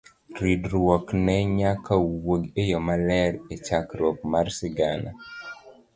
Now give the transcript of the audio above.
Ridruokne nyaka wuog eyo maler echakruok mar sigana.